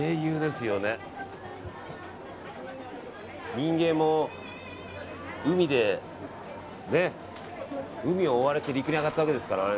人間も海を追われて陸に上がったわけですから。